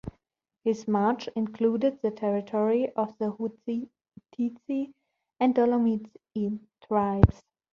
His march included the territory of the Chutizi and Dolomici tribes.